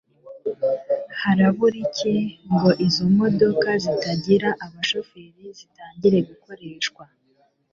harabura iki ngo izo modoka zitagira abashoferi zitangire gukoreshwa